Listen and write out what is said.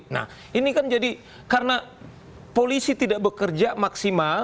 nah ini kan jadi karena polisi tidak bekerja maksimal